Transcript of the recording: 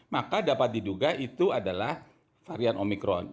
maka dapat diduga itu adalah varian omikron